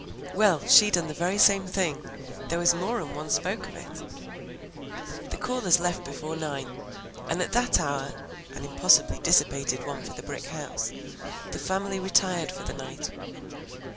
Well, she done the very same thing; there was more'n one spoke of it." The callers left before nine, and at that hour (an impossibly dissipated one for the brick house) the family retired for the night.